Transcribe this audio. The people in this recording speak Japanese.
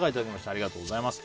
ありがとうございます。